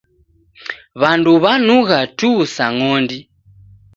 W'andu w'anugha tuu sa ng'ondi.